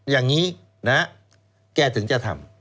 อย่างนี้นะแกถึงจะทำ